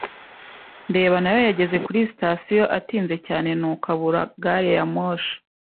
ndeba nayo yageze kuri sitasiyo atinze cyane nuko abura gari ya moshi.